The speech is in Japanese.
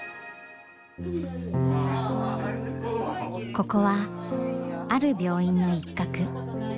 ここはある病院の一角。